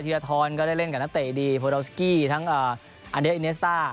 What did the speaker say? เชียร์ทอนก็ได้เล่นกับนักเตะดีโพดาวสกี้ทั้งอันเด้ออิเนสต้า